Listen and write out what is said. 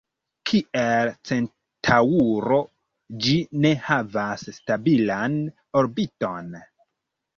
Kiel Centaŭro, ĝi ne havas stabilan orbiton.